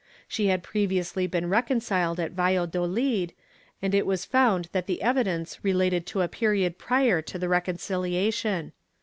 She had previously been reconciled at Valladolid, and it was found that the evidence related to a period prior to the reconciliation.